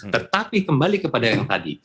tetapi kembali kepada yang tadi